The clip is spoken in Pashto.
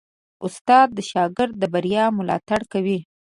استاد د شاګرد د بریا ملاتړ کوي.